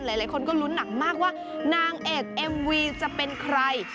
หลายคนก็ลุ้นหนักมากว่านางเอกเอ็มวีจะเป็นใคร